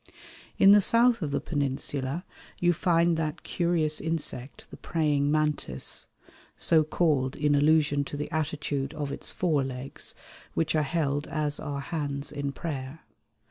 In the south of the Peninsula you find that curious insect the Praying Mantis, so called in allusion to the attitude of its forelegs, which are held as are hands in prayer.